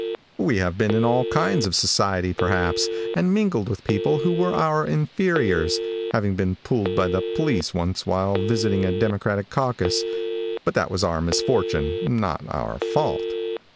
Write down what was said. We have been in all kinds of society, perhaps, and mingled with people who were our inferiors, having been pulled by the police once while visiting a Democratic caucus, but that was our misfortune, not our fault.